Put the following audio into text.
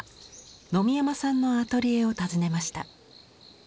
野見山さんのアトリエを訪ねました。